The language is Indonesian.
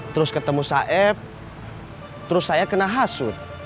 terus ketemu saib terus saya kena hasut